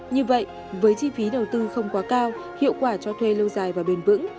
như vậy với chi phí đầu tư không quá cao hiệu quả cho thuê lâu dài và bền vững